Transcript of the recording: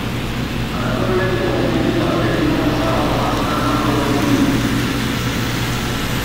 Actualmente compite para el equipo kazajo Astana Pro Team.